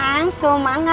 pasti bisa hafal dialognya